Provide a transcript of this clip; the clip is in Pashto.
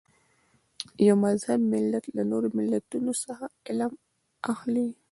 یو مهذب ملت له نورو ملتونو څخه علم اخلي.